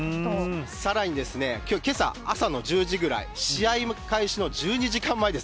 さらに、けさ朝の１０時ぐらい試合開始の１２時間前です。